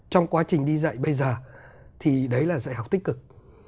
trong quá trình đi dạy bây giờ thì đấy là dạy học tích cực